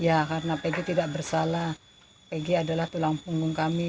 ya karena pegg tidak bersalah pg adalah tulang punggung kami